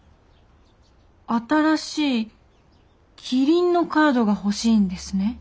新しいキリンのカードが欲しいんですね。